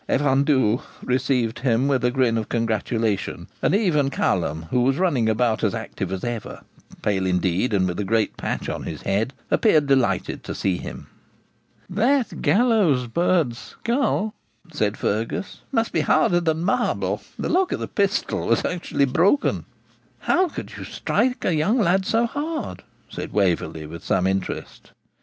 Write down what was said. Evan Dhu received him with a grin of congratulation; and even Callum, who was running about as active as ever, pale indeed, and with a great patch on his head, appeared delighted to see him. 'That gallows bird's skull,' said Fergus, 'must be harder than marble; the lock of the pistol was actually broken.' 'How could you strike so young a lad so hard?' said Waverley, with some interest.